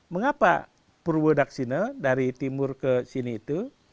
mengapa purwodaksina dari timur ke sini itu